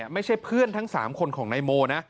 ไม่ใช่เพื่อนทั้ง๓คนของนายโมนะ